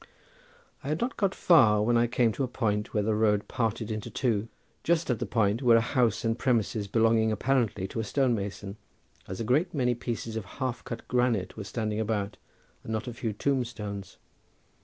I had not gone far when I came to a point where the road parted in two; just at the point where a house and premises belonging apparently to a stone mason, as a great many pieces of half cut granite were standing about, and not a few tombstones.